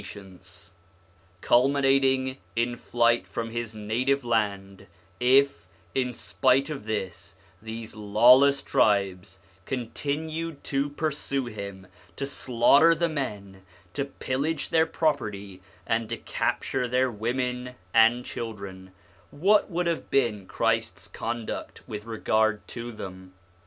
ON THE INFLUENCE OF THE PROPHETS 25 culminating in flight from his native land if in spite of this these lawless tribes continued to pursue him, to slaughter the men, to pillage their property and to capture their women and children, what would have been Christ's conduct with regard to them?